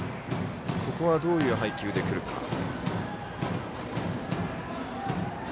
ここはどういう配球で来るか。